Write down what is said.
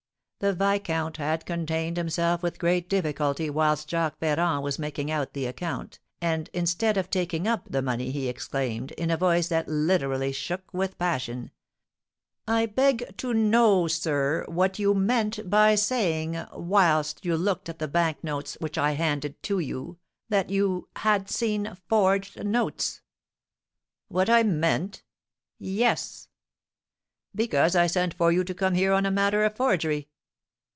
The viscount had contained himself with great difficulty whilst Jacques Ferrand was making out the account, and, instead of taking up the money, he exclaimed, in a voice that literally shook with passion: "I beg to know, sir, what you meant by saying, whilst you looked at the bank notes which I handed to you, that you 'had seen forged notes?'" "What I meant?" "Yes." "Because I sent for you to come here on a matter of forgery."